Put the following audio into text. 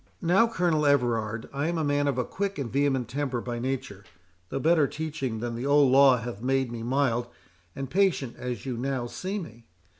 Now, Colonel Everard, I am a man of a quick and vehement temper by nature, though better teaching than the old law hath made me mild and patient as you now see me.